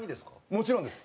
もちろんです。